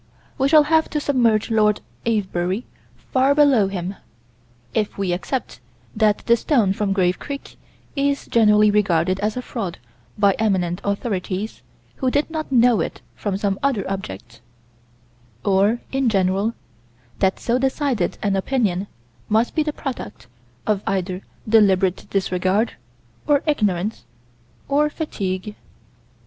We shall have to submerge Lord Avebury far below him if we accept that the stone from Grave Creek is generally regarded as a fraud by eminent authorities who did not know it from some other object or, in general, that so decided an opinion must be the product of either deliberate disregard or ignorance or fatigue.